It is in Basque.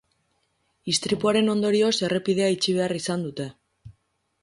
Istripuaren ondorioz errepidea itxi behar izan dute.